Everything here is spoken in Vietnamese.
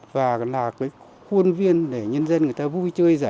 và là cái khuôn viên để nhân dân người ta vui chơi dễ dàng